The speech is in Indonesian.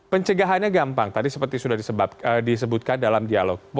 pencegahannya gampang tadi seperti sudah disebutkan dalam dialog